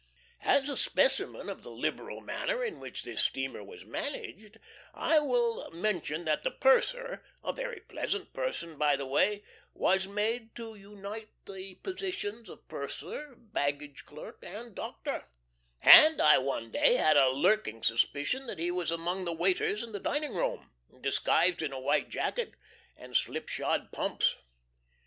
As a specimen of the liberal manner in which this steamer was managed I will mention that the purser (a very pleasant person, by the way) was made to unite the positions of purser, baggage clerk, and doctor; and I one day had a lurking suspicion that he was among the waiters in the dining cabin, disguised in a white jacket and slipshod pumps.